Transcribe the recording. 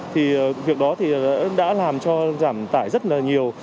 thì việc đó thì đã làm cho giảm tải rất là nhiều